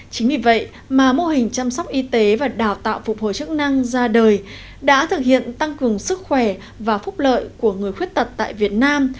chính vì vậy mà mô hình chăm sóc y tế và đào tạo phục hồi chức năng ra đời đã thực hiện tăng cường sức khỏe và phúc lợi của người khuyết tật tại việt nam